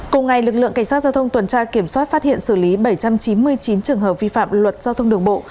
cùng ngày lực lượng cảnh sát giao thông tuần tra kiểm soát phát hiện xử lý bảy trăm chín mươi chín trường hợp vi phạm luật giao thông đường bộ